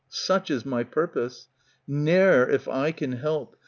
Such is my purpose. Ne'er, if I can help.